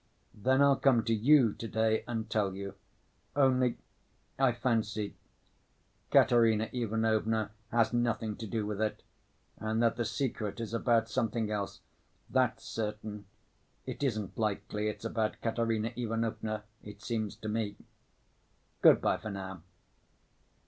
Then I'll come to you to‐day, and tell you. Only ... I fancy ... Katerina Ivanovna has nothing to do with it, and that the secret is about something else. That's certain. It isn't likely it's about Katerina Ivanovna, it seems to me. Good‐by for now."